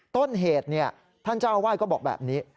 ต้นเหตุท่านเจ้าอาวาสก็บอกแบบนี้